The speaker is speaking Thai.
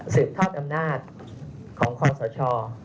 ซื้อบทอดอำนาจของความสะชอ